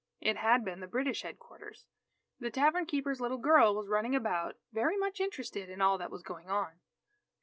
It had been the British Headquarters. The tavern keeper's little girl was running about very much interested in all that was going on.